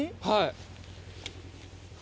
はい。